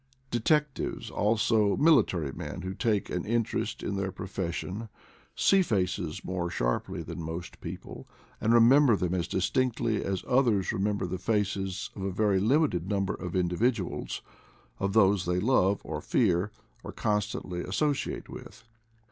Detectives, also military men who take an interest SIGHT IN SAVAGES 165 in their profession, see faces more sharply than most people, and remember them as distinctly as others remember the faces of a very limited num ber of individuals — of those they love or fear or constantly associate with.